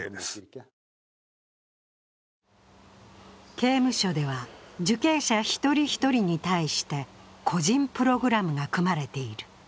刑務所では、受刑者一人一人に対して個人プログラムが組まれている。